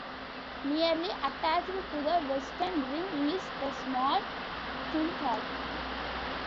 Nearly attached to the western rim is the small Tyndall.